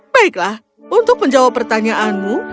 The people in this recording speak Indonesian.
baiklah untuk menjawab pertanyaanmu